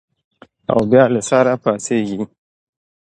او بیا له سره پاڅېږي.